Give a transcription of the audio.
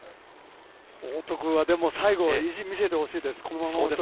◆報徳は最後意地を見せてほしいです。